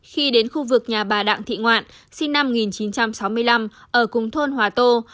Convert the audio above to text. khi đến khu vực nhà bà đặng thị ngoạn sinh năm một nghìn chín trăm sáu mươi năm ở cùng thôn hòa tô